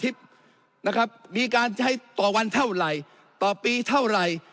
นะครับมีการใช้ต่อวันเท่าไหร่ต่อปีเท่าไหร่